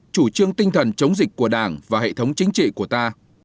chủ trương tinh thần chống dịch của đảng và hệ thống chính trị của ta